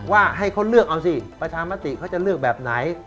ว่าให้เขาเลือกเอาสิประชามติเขาจะเลือกแบบไหน